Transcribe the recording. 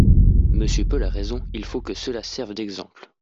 Monsieur Paul a raison, il faut que cela serve d’exemple.